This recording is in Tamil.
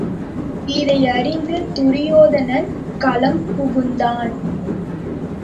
இதை அறிந்து துரியோதனன் களம் புகுந்தான்.